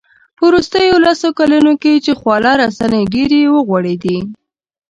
په وروستیو لسو کلونو کې چې خواله رسنۍ ډېرې وغوړېدې